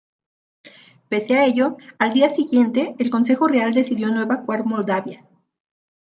Pese a ello, al día siguiente, el consejo real decidió no evacuar Moldavia.